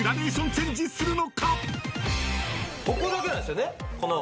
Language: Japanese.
ここだけなんすよね。